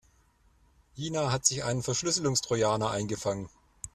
Ina hat sich einen Verschlüsselungstrojaner eingefangen.